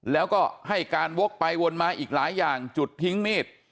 แล้วก็ให้การวกไปวนมาอีกหลายอย่างจุดทิ้งมีด